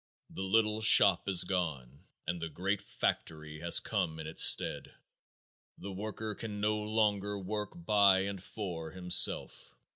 The little shop is gone and the great factory has come in its stead. The worker can no longer work by and for himself.